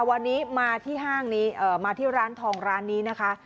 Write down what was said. วันนี้มาที่ห้างนี้มาที่ร้านทองร้านนี้นะคะ